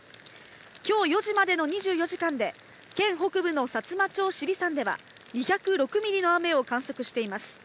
きょう４時までの２４時間で、県北部のさつま町紫尾山では、２０６ミリの雨を観測しています。